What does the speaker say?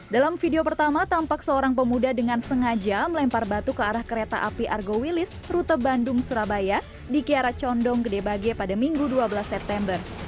dalam video pertama tampak seorang pemuda dengan sengaja melempar batu ke arah kereta api argo wilis rute bandung surabaya di kiara condong gede bage pada minggu dua belas september